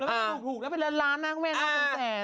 แล้วก็ดูถูกแล้วไปเล่นร้านน่ะไม่ต้องแสน